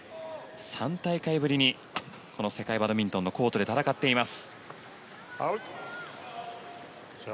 ３大会ぶりにこの世界バドミントンのコートで戦っています。